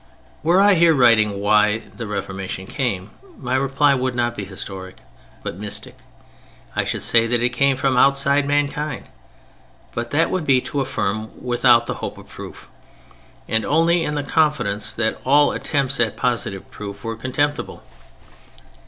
Were I here writing "Why" the Reformation came, my reply would not be historic, but mystic. I should say that it came "from outside mankind." But that would be to affirm without the hope of proof, and only in the confidence that all attempts at positive proof were contemptible.